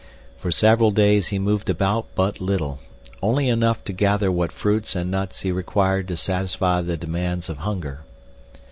For several days he moved about but little, only enough to gather what fruits and nuts he required to satisfy the demands of hunger.